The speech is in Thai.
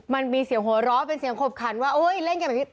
มันมีเสียงหัวเราะเป็นเสียงขบขันว่าเล่นกันแบบนี้